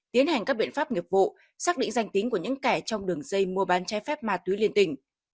tiến hành các biện pháp nghiệp vụ xác định danh tính của những kẻ trong đường dây mua bán trái phép ma túy liên tỉnh